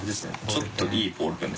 「ちょっといいボールペン」